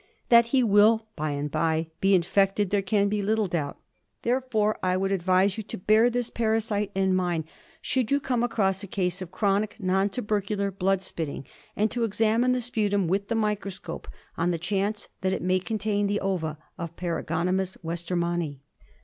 That he will by and bye be infected there can be little doubt. Therefore I would advise you to bear this parasite in mind should ENDEMIC HEMOPTYSIS. 47 you come across a case of chronic non tubercular blood spitting, and to examine the sputum with the microscope on the chance that it may contain the ova of Paragonimus westermanni.